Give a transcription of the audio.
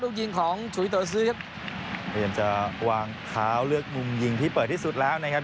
ลูกยิงของฉุยตัวซื้อครับพยายามจะวางเท้าเลือกมุมยิงที่เปิดที่สุดแล้วนะครับ